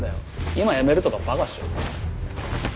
今やめるとか馬鹿っしょ。